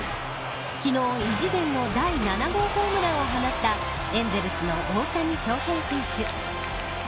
昨日、異次元の第７号ホームランを放ったエンゼルスの大谷翔平選手。